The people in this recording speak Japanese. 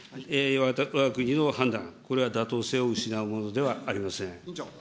わが国の判断、これは妥当性を失うものではありません。